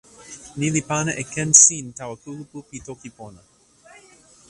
ni li pana e ken sin tawa kulupu pi toki pona.